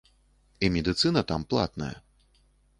І медыцына там платная.